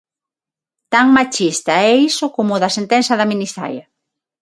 Tan machista é iso como o da sentenza da minisaia.